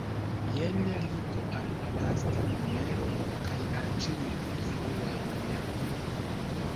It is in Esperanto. Jen ligo al la lasta numero kaj al ĉiuj pli fruaj numeroj.